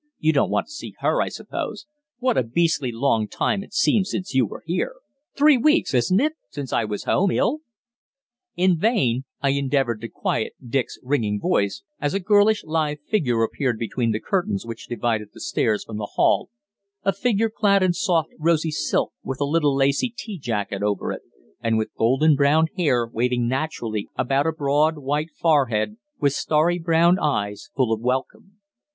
"You don't want to see her, I suppose? What a beastly long time it seems since you were here! Three weeks, isn't it, since I was home, ill?" In vain I endeavoured to quiet Dick's ringing voice as a girlish, lithe figure appeared between the curtains which divided the stairs from the hall, a figure clad in soft rosy silk with a little lacy tea jacket over it, and with golden brown hair waving naturally about a broad, white forehead, with starry brown eyes full of welcome.